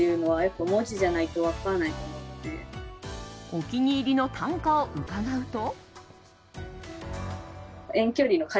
お気に入りの短歌を伺うと。